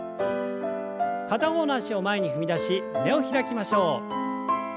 片方の脚を前に踏み出し胸を開きましょう。